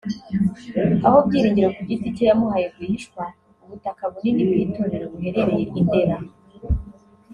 aho Byiringiro ku giti cye yamuhaye rwihishwa ubutaka bunini bw’itorero buherereye i Ndera